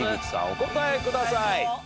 お答えください。